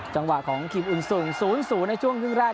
จังหวะของครีมอุ่นสุ่ง๐๐ในช่วงกลางแรก